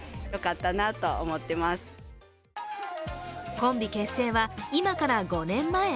コンビ結成は今から５年前。